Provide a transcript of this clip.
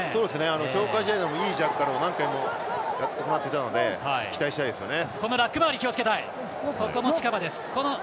強化試合のところでもいいジャッカルを何回もしていたので期待したいですね。